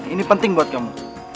ini penting buat kamu